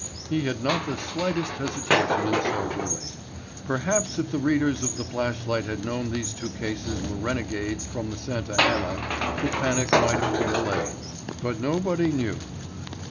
He had not the slightest hesitation in so doing. Perhaps if the readers of the Flashlight had known these two cases were renegades from the Santa Anna, the panic might have been allayed. But nobody knew.